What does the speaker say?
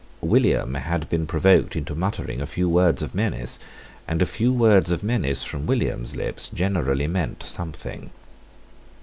William had been provoked into muttering a few words of menace: and a few words of menace from William's lips generally meant something.